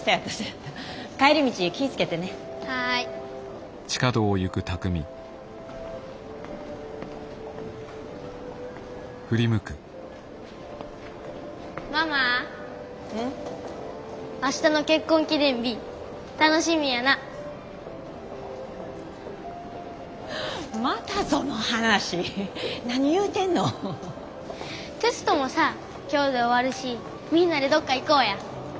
テストもさ今日で終わるしみんなでどっか行こうや。